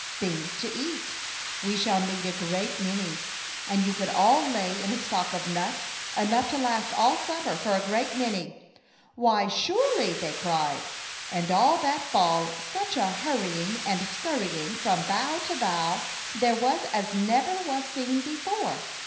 " Things to eat. We shall need a great many, and you could all lay in a stock of nuts, enough to last all summer, for a great many." "Why, surely!" they cried, and all A Chautauqua Idyl. 87 that fall such a hurrying and scur rying from bough to bough there was as never was seen before.